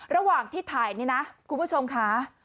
ระหว่างที่ถ่ายนี่นะคุณผู้ชมค่ะ